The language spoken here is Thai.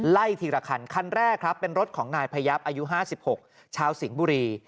ไล่ทีละคันคันแรกครับเป็นรถของนายพยับอายุ๕๖ชาวสิงห์บุรี